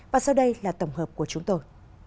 và sau đây là tổng hợp của chúng tôi